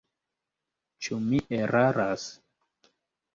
Ĉu mi eraras?